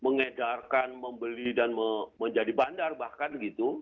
mengedarkan membeli dan menjadi bandar bahkan gitu